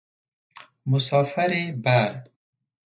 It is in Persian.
مسافر بر